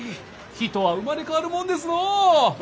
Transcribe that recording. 人は生まれ変わるもんですのう！